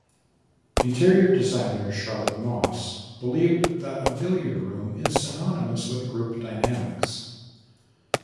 Interior designer Charlotte Moss believed that a billiard room is synonymous with group dynamics.